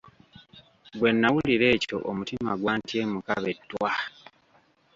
Bwe nawulira ekyo omutima gwantyemuka be ttwa.